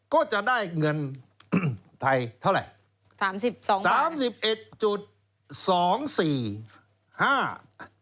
ก็จะได้เงินไทยเท่าไหร่๓๒บาท๓๑๒๔๕บาท